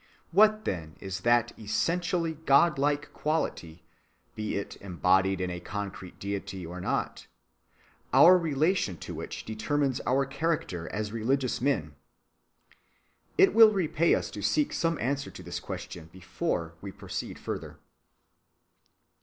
What then is that essentially godlike quality—be it embodied in a concrete deity or not—our relation to which determines our character as religious men? It will repay us to seek some answer to this question before we proceed farther.